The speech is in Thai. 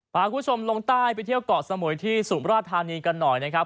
พาคุณผู้ชมลงใต้ไปเที่ยวเกาะสมุยที่สุมราชธานีกันหน่อยนะครับ